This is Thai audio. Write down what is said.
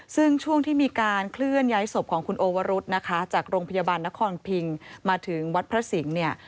ซึ่งช่วงที่มีการเคลื่อนย้ายศพของคุณโอวรุษนะคะจากโรงพยาบาลนครพิงมาถึงวัดพระสิงห์เนี่ย